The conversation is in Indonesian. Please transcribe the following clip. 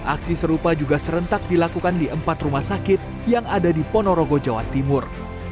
aksi serupa juga serentak dilakukan di empat rumah sakit yang ada di ponorogo jawa timur